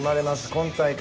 今大会